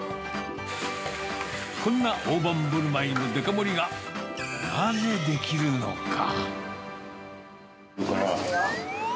こんな大盤振る舞いのデカ盛りがなぜできるのか。